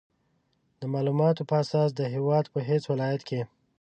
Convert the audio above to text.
د مالوماتو په اساس د هېواد په هېڅ ولایت کې